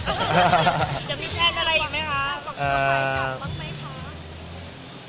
จะมีแพทย์อะไรอีกไหมคะ